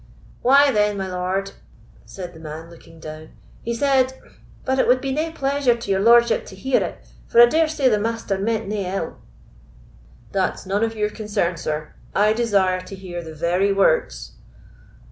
"Why, then, my lord," said the man, looking down, "he said—But it wad be nae pleasure to your lordship to hear it, for I dare say the Master meant nae ill." "That's none of your concern, sir; I desire to hear the very words."